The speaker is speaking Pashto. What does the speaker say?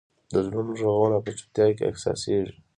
د زړونو ږغونه په چوپتیا کې احساسېږي.